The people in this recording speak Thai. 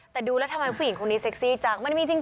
แต่ดูแล้วทำไมผู้หญิงคนนี้เซ็กซี่จังมันมีจริง